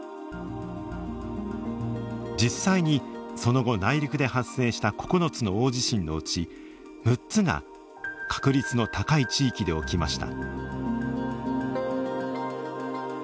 実際にその後内陸で発生した９つの大地震のうち６つが確率の高い地域で起きました。